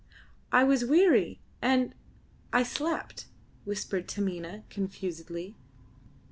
"I was weary, and I slept," whispered Taminah, confusedly.